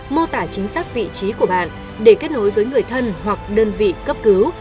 mô tả chính xác vị trí của bạn để kết nối với người thân hoặc đơn vị cấp cứu